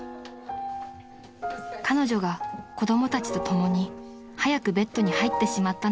［彼女が子供たちとともに早くベッドに入ってしまったのは］